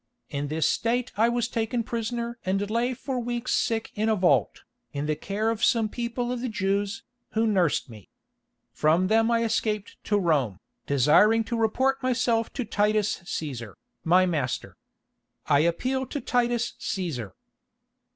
In this state I was taken prisoner and lay for weeks sick in a vault, in the care of some people of the Jews, who nursed me. From them I escaped to Rome, desiring to report myself to Titus Cæsar, my master. I appeal to Titus Cæsar."